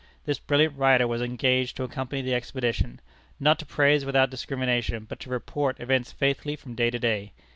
This brilliant writer was engaged to accompany the expedition not to praise without discrimination, but to report events faithfully from day to day.